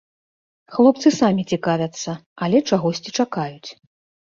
Хлопцы самі цікавяцца, але чагосьці чакаюць.